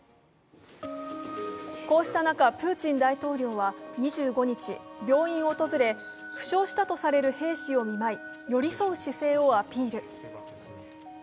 こうした中、プーチン大統領は２５日、病院を訪れ、負傷したとされる兵士を見舞い、寄り添う姿勢をアピール。